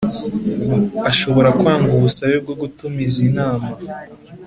ashobora kwanga ubusabe bwo gutumiza inama